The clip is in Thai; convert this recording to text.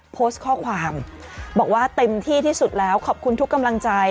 โพสต์ข้อความบอกว่าเต็มที่ที่สุดแล้วขอบคุณทุกกำลังใจ